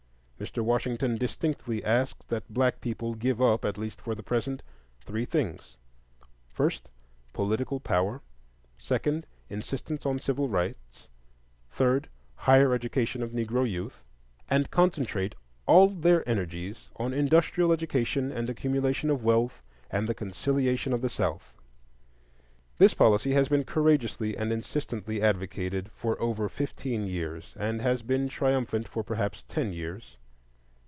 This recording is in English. Mr. Washington distinctly asks that black people give up, at least for the present, three things,— First, political power, Second, insistence on civil rights, Third, higher education of Negro youth,—and concentrate all their energies on industrial education, and accumulation of wealth, and the conciliation of the South. This policy has been courageously and insistently advocated for over fifteen years, and has been triumphant for perhaps ten years.